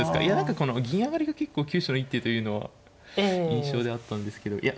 いや何かこの銀上がりが結構急所の一手というのは印象であったんですけど。